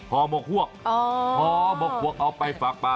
ฮมฮอไปฝักป่ะ